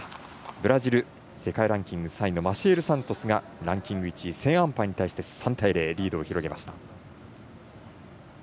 ブラジル、世界ランキング３位のマシエル・サントスがランキング１位セーンアンパーに対して３対０リードを広げました。